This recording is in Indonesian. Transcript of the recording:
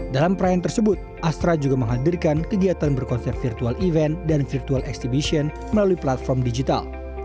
dalam perayaan tersebut astra juga menghadirkan kegiatan berkonser virtual event dan virtual exhibition melalui platform digital